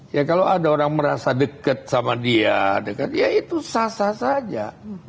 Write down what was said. ya kalau ada orang merasa deket sama dia ya itu sasa saja